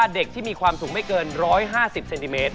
เด็กที่มีความสูงไม่เกิน๑๕๐เซนติเมตร